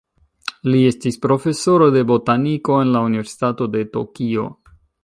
Li estis profesoro de botaniko en la Universitato de Tokio.